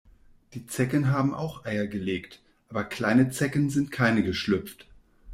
Die Zecken haben auch Eier gelegt, aber kleine Zecken sind keine geschlüpft.